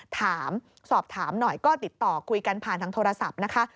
ถามสอบถามหน่อยก็ติดต่อคุยกันผ่านทางโทรศัพท์นะคะ